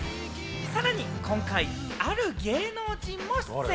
さらに今回、ある芸能人も出演。